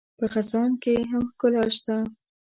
په خزان کې هم ښکلا شته